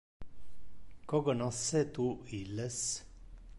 Cognosce tu illes?